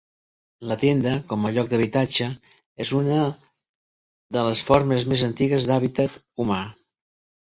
La tenda com a lloc d'habitatge és una de les formes més antigues d'hàbitat humà.